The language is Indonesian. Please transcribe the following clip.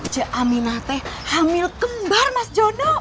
cik aminah teh hamil kembar mas jono